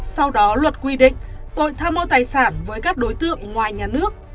sau đó luật quy định tội tham mô tài sản với các đối tượng ngoài nhà nước